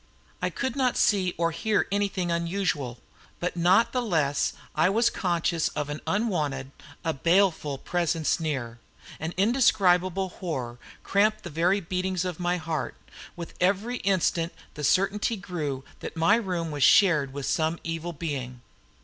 I could not see or hear anything unusual, but not the less was I conscious of an unwonted, a baleful presence near; an indescribable horror cramped the very beatings of my heart; with every instant the certainty grew that my room was shared by some evil being.